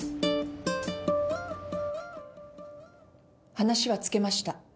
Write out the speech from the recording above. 話はつけました。